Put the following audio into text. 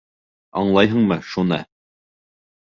Аңлайһыңмы шуны?